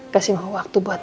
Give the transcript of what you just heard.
beri mama waktu untuk